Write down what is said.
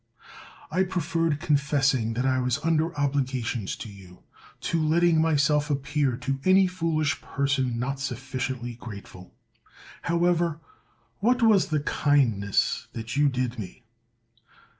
I preferred confessing that I was under obligations to you, to letting myself ap pear to any foolish person not suflScientiy grate ful. However, what was the kindness that you did me